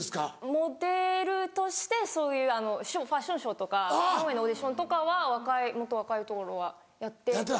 モデルとしてそういうファッションショーとかオーディションとかはもっと若い頃はやってました。